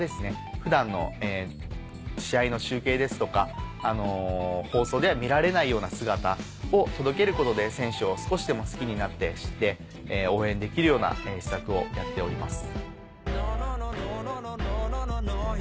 普段の試合の中継ですとか放送では見られないような姿を届けることで選手を少しでも好きになって知って応援できるような施策をやっております。